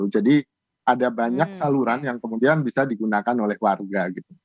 jadi ada banyak saluran yang kemudian bisa digunakan oleh warga gitu